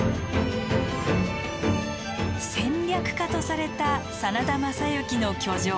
戦略家とされた真田昌幸の居城。